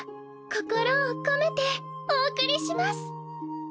心を込めてお送りします。